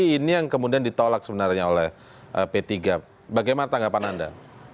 ini yang kemudian ditolak sebenarnya oleh p tiga bagaimana tanggapan anda